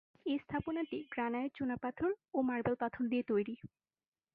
এই স্থাপনাটি গ্রানাইট, চুনাপাথর ও মার্বেল পাথর দিয়ে তৈরী।